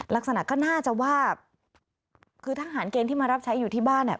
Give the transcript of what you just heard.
ลักษณะก็น่าจะว่าคือทหารเกณฑ์ที่มารับใช้อยู่ที่บ้านเนี่ย